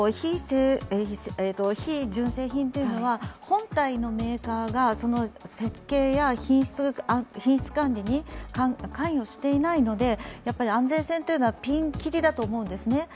非純正品というのは、本体のメーカーがその設計や品質管理に関与していないので、安全性っていうのはピンキリだと思うんですね。